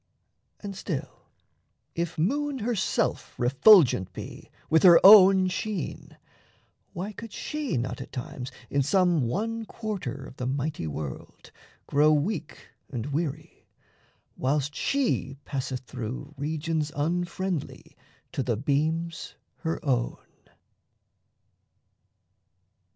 And still, if moon herself refulgent be With her own sheen, why could she not at times In some one quarter of the mighty world Grow weak and weary, whilst she passeth through Regions unfriendly to the beams her own?